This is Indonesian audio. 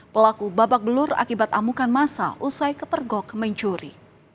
pelaku babak belur akibat amukan masa usai kepergok mencuri